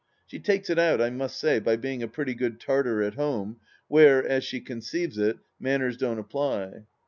She takes it out, I must say, by being a pretty good tartar at home, where, as she conceives it, manners don't apply.